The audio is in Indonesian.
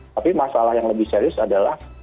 tapi masalah yang lebih serius adalah